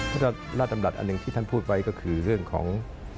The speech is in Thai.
พระราชดำรัฐอันหนึ่งที่ท่านพูดไว้ก็คือเรื่องของ